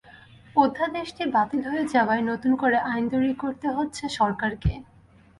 অধ্যাদেশটি বাতিল হয়ে যাওয়ায় নতুন করে আইন তৈরি করতে হচ্ছে সরকারকে।